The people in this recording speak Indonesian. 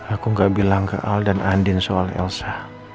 aku gak bilang ke al dan andin soal elsa